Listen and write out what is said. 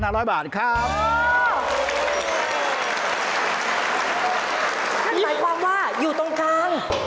นั่นหมายความว่าอยู่ตรงกลาง